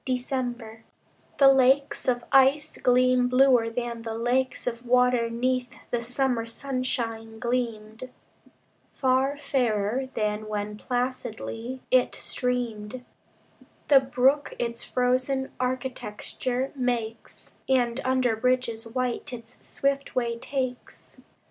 December The lakes of ice gleam bluer than the lakes Of water 'neath the summer sunshine gleamed: Far fairer than when placidly it streamed, The brook its frozen architecture makes, And under bridges white its swift way takes.